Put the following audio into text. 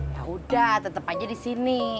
yaudah tetep aja di sini